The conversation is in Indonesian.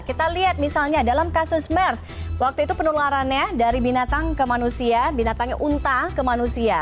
kita lihat misalnya dalam kasus mers waktu itu penularannya dari binatang ke manusia binatangnya unta ke manusia